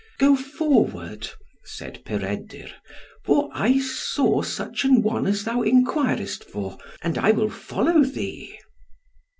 "Go forward," said Peredur, "for I saw such an one as thou enquirest for, and I will follow thee."